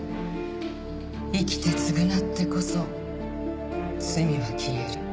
生きて償ってこそ罪は消える。